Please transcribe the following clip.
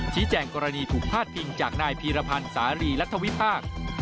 ชี้แจ่งกรณีถูกพลาดพิงจากนายภีรพันธ์สารีรัฐวิภาค